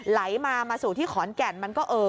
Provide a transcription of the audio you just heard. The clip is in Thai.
ไหลมามาสู่ที่ขอนแก่นมันก็เอ่อ